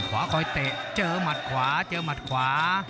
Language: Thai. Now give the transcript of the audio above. คว้าเถอะจนจบมัตต์ขวา